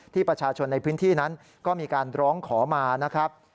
ที่ประชาชนในพื้นที่นั้นก็มีการร้องขอมา